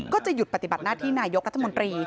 ก็จะหยุดปฏิบัติหน้าที่นายกรัฐมนตรี